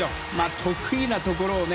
得意なところをね。